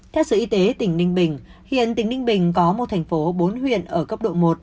theo sở y tế tỉnh ninh bình hiện tỉnh ninh bình có một thành phố bốn huyện ở cấp độ một